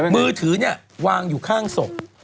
มือถือเนี่ยวางอยู่ข้างศพ